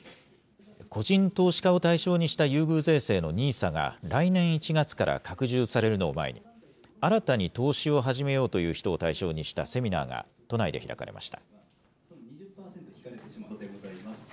個人投資家を対象にした優遇税制のＮＩＳＡが来年１月から拡充されるのを前に、新たに投資を始めようという人を対象にしたセミナーが都内で開かれました。